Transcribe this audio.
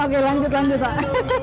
oke lanjut lanjut pak